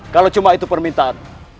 kalau itu hanya permintaanmu